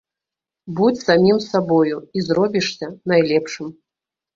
Будзь самім сабою і зробішся найлепшым.